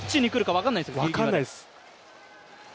分からないです。